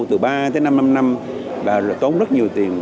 từ ba tới năm năm tốn rất nhiều tiền